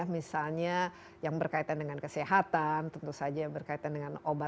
misalnya yang berkaitan dengan kesehatan tentu saja berkaitan dengan obat